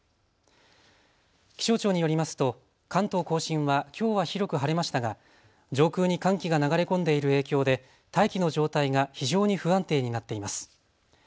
気象庁によりますと関東甲信はきょうは広く晴れましたが上空に寒気が流れ込んでいる影響で大気の状態が非常に不安定になっています。